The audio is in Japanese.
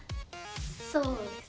そうです。